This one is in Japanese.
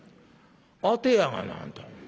「アテやがなあんた。